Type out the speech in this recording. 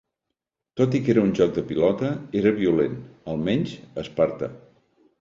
Tot i que era un joc de pilota, era violent, almenys a Esparta.